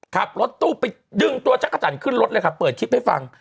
ขับรถตู้ไปดึงตัวจักรจันทร์ขึ้นรถเลยค่ะเปิดคลิปให้ฟัง